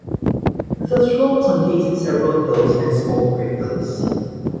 The floor contains several hills and small craters.